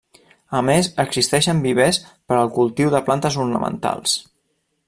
A més existeixen vivers per al cultiu de plantes ornamentals.